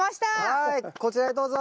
はいこちらへどうぞ。